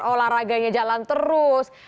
olahraganya jalan terus